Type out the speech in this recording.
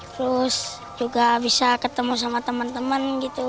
terus juga bisa ketemu sama teman teman gitu